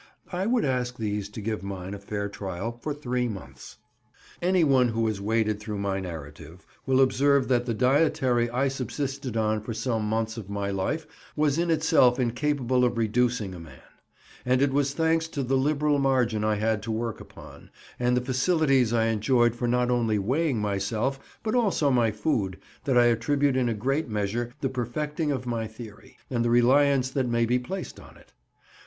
I would ask these to give mine a fair trial for three months. Anyone who has waded through my narrative will observe that the dietary I subsisted on for some months of my life was in itself incapable of reducing a man; and it was thanks to the liberal margin I had to work upon, and the facilities I enjoyed for not only weighing myself, but also my food, that I attribute in a great measure the perfecting of my theory, and the reliance that may be placed on it.